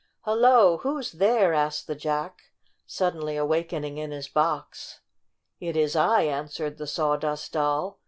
"Hello! who's there?" asked the Jack, suddenly awakening in his box. "It is I," answered the Sawdust Doll.